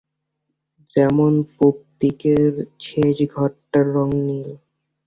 যেমন, পুবদিকের শেষ ঘরটার রঙ নীল।